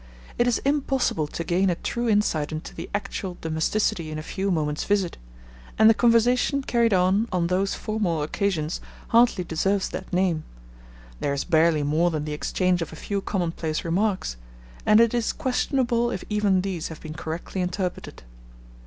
It is impossible to gain a true insight into the actual domesticity in a few moments' visit; and the conversation carried on, on those formal occasions, hardly deserves that name; there is barely more than the exchange of a few commonplace remarks and it is questionable if even these have been correctly interpreted.